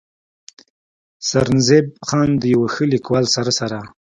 “ سرنزېب خان د يو ښه ليکوال سره سره